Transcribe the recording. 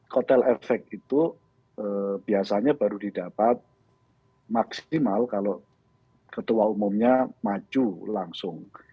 kotel efek itu biasanya baru didapat maksimal kalau ketua umumnya maju langsung